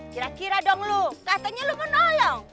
kira kira dong lu katanya lu mau nolong